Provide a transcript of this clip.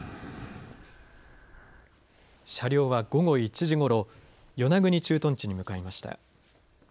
車両は午後１時ごろ与那国駐屯地に向かいました。